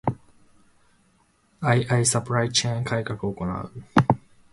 ⅱ サプライチェーン改革を行う